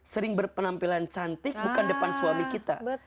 sering berpenampilan cantik bukan depan suami kita